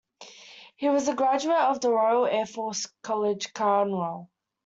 He was a graduate of the Royal Air Force College Cranwell.